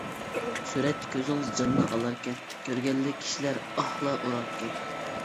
سۈرەتتە كۆزىڭىز جاننى ئالاركەن، كۆرگەنلا كىشىلەر ئاھلار ئۇراركەن.